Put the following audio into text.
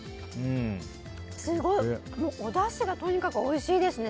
すごい、おだしがとにかくおいしいですね。